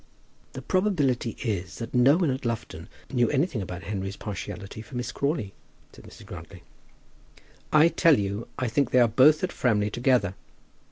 "The probability is that no one at Lufton knew anything about Henry's partiality for Miss Crawley," said Mrs. Grantly. "I tell you I think they are both at Framley together."